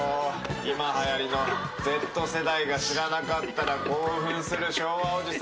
今はやりのＺ世代が知らなかったら興奮する昭和おじさん。